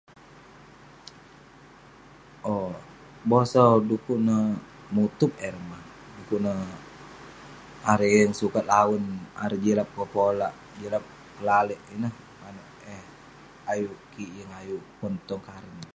Owk..bosau du'kuk neh mutup eh erei mah..du'kuk neh erei, yeng sukat lawen erei jilap kepolak, jilap pelaleik ineh maneuk eh.. ayuk kik yeng ayuk pon tong karen.